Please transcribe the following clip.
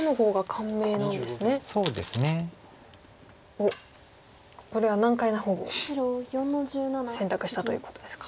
おっこれは難解な方を選択したということですか。